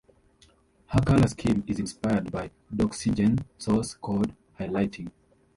Her color scheme is inspired by doxygen source code highlighting.